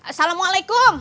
sumpah aneh kagak nabrak tam